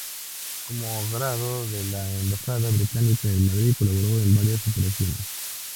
Como agregado de la embajada británica en Madrid colaboró en varias operaciones.